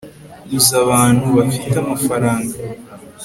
uzi abantu bafite amafaranga